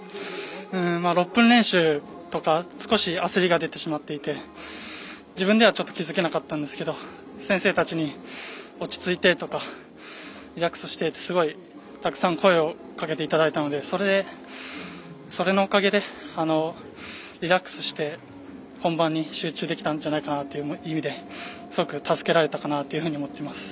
６分間練習とか少し焦りが出てしまっていて自分では気付けなかったんですが先生たちに、落ち着いてとかリラックスしてとかすごく、たくさん声をかけていただいたのでそれのおかげでリラックスして本番に集中できたんじゃないかなという意味ですごく助けられたかなと思っています。